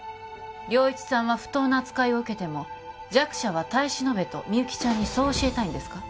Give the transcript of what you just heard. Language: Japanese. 良一さんは不当な扱いを受けても弱者は耐え忍べとみゆきちゃんにそう教えたいんですか？